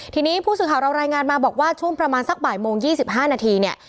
ทีนี้ผู้สื่อข่าวเรารายงานมาบอกว่าช่วงประมาณสักบ่ายโมง๒๕นาทีเนี่ย